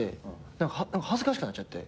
何か恥ずかしくなっちゃって。